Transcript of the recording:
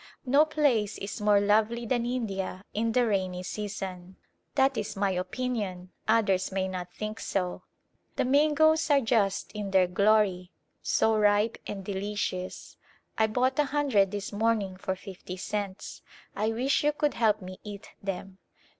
No place is more lovely than India in the rainy season; that is my opinion, others may not think so. The mangoes are just in their glory, so ripe and delicious. I bought a hundred this morning for fifty cents. I wish you could help me eat them.